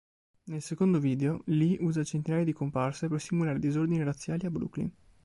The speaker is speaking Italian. Nel secondo video, Lee usa centinaia di comparse per simulare disordini razziali a Brooklyn.